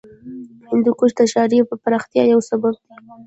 هندوکش د ښاري پراختیا یو سبب دی.